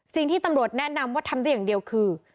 สิ่งที่ตำรวจแนะนำว่าทำได้อย่างเดียวคือ